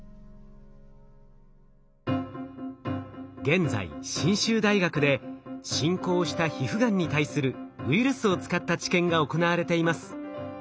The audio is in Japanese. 現在信州大学で進行した皮膚がんに対するウイルスを使った治験が行われています。